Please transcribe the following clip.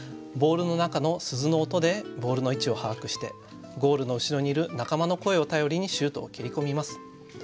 ボールの中の鈴の音でボールの位置を把握してゴールの後ろにいる仲間の声を頼りにシュートを蹴り込みます。